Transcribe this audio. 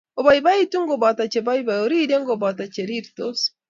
Oboiboitu koboto che boiboi , oririe koboto che ristos.